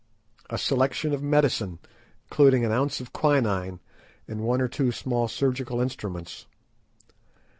A selection of medicine, including an ounce of quinine, and one or two small surgical instruments.